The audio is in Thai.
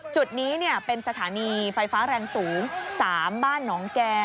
จุดนี้เป็นสถานีไฟฟ้าแรงสูง๓บ้านหนองแก่